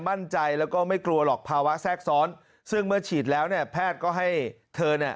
มั่นใจแล้วก็ไม่กลัวหรอกภาวะแทรกซ้อนซึ่งเมื่อฉีดแล้วเนี่ยแพทย์ก็ให้เธอเนี่ย